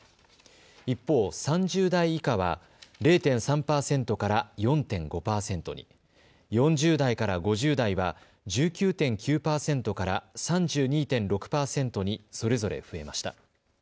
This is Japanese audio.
一方、３０代以下は０．３％から４．５％に、４０代から５０代は１９．９％から３２．６％にそれぞれ増えました。